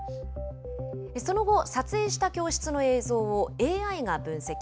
その後、撮影した教室の映像をＡＩが分析。